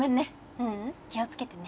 ううん気をつけてね。